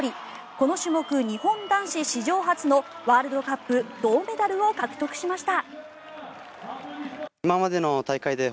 この種目、日本男子史上初のワールドカップ銅メダルを獲得しました。